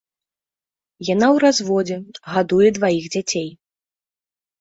Яна ў разводзе, гадуе дваіх дзяцей.